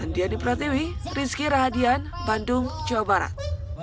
andiani pratwiwi rizky rahadian bandung jawa barat